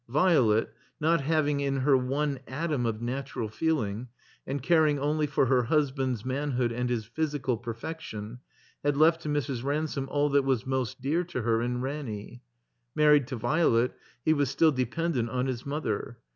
Violet, not having in her one atom of natural feeling, and caring only for her husband's manhood and his physical perfection, had left to Mrs. Ransome all that was most dear to her in Ranny. Married to Violet, he was still dependent on his mother.